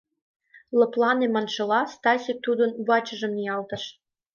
Лыплане маншыла, Стасик тудын вачыжым ниялтыш.